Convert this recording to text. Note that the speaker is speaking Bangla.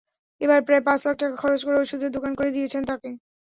এবার প্রায় পাঁচ লাখ টাকা খরচ করে ওষুধের দোকান করে দিয়েছেন তাঁকে।